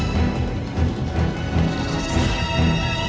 tidak ada siapa di sana